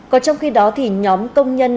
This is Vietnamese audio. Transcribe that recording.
còn trong khi đó thì nhóm công nhân